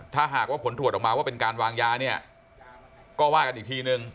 ถ้าหากว่าผลตรวจออกมาว่าเป็นการวางยาเนี่ยก็ว่ากันอีกทีนึง